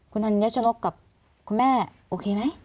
คุณธัญชนกกับคุณแม่โอเคไหม